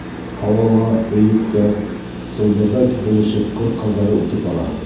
Һауала, бейектә, сылбырҙай теҙелешеп, ҡыр ҡаҙҙары үтеп бара.